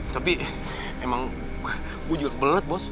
tapi emang gue juga kebelet bos